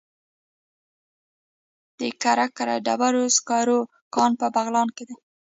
د کرکر د ډبرو سکرو کان په بغلان کې دی